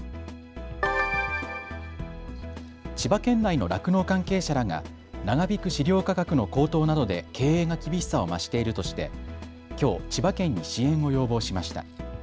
千葉県内の酪農関係者らが長引く飼料価格の高騰などで経営が厳しさを増しているとしてきょう千葉県に支援を要望しました。